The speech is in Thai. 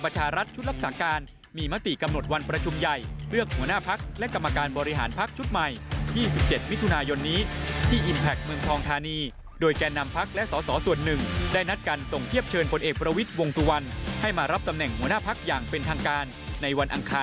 จากรายงานชนิดนี้ค่ะ